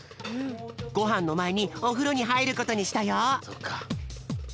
ごはんのまえにおふろにはいることにしたよ。